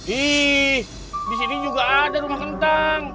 ih di sini juga ada rumah kentang